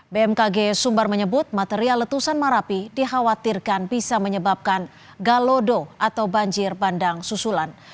bmkg sumbar menyebut material letusan marapi dikhawatirkan bisa menyebabkan galodo atau banjir bandang susulan